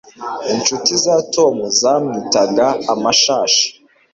inshuti za tom zamwitaga amashashi